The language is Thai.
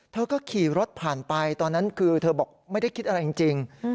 เธอก็ขี่รถผ่านไปตอนนั้นคือเธอบอกไม่ได้คิดอะไรจริง